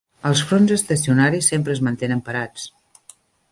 Els fronts estacionaris sempre es mantenen parats.